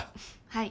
はい。